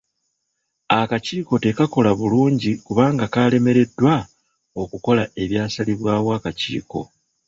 Akakiiko tekakola bulungi kubanga kalemereddwa okukola ebyasalibwawo akakiiko.